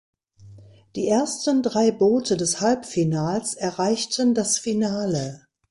Die ersten drei Boote des Halbfinals erreichten das Finale.